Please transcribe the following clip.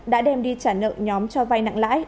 đã đem đi trả nợ nhóm cho vay nặng lãi